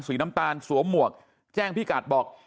สีน้ำตาลสวมหมวกแจ้งพี่กัดบอก